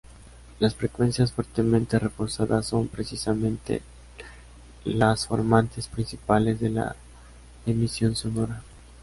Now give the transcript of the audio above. Las frecuencias fuertemente reforzadas son precisamente los formantes principales de la emisión sonora.